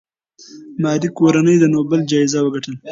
ماري کوري د نوبل جایزه وګټله؟